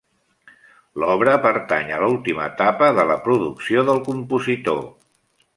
L'obra pertany a l'última etapa de la producció del compositor.